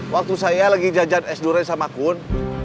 waktu saya lagi jajan es durian sama kun